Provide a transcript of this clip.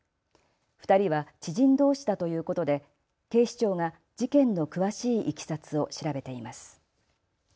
２人は知人どうしだということで警視庁が事件の詳しいいきさつを調べています。